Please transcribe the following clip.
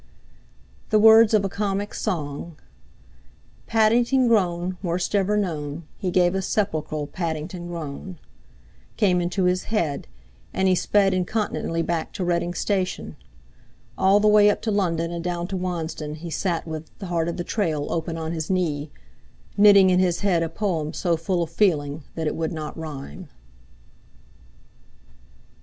The words of a comic song— "Paddington groan worst ever known He gave a sepulchral Paddington groan—" came into his head, and he sped incontinently back to Reading station. All the way up to London and down to Wansdon he sat with "The Heart of the Trail" open on his knee, knitting in his head a poem so full of feeling that it would not rhyme.